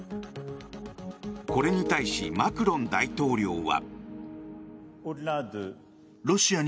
これに対しマクロン大統領は。